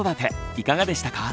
いかがでしたか？